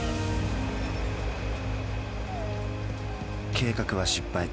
計画は失敗。